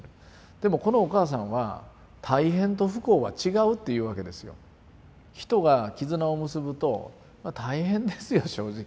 でもこのお母さんは「大変と不幸は違う」っていうわけですよ。人が絆を結ぶと大変ですよ正直。